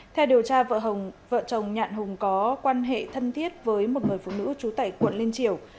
theo điều tra vợ chồng nhạn hùng có quan hệ thân thiết với một người phụ nữ trú tẩy quận linh triều